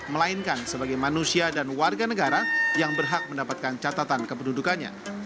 melainkan sebagai manusia dan warga negara yang berhak mendapatkan catatan kependudukannya